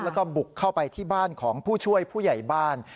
แล้วก็บุกเข้าไปที่บ้านของผู้ช่วยผู้ใหญ่บ้าน